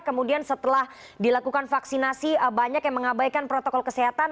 kemudian setelah dilakukan vaksinasi banyak yang mengabaikan protokol kesehatan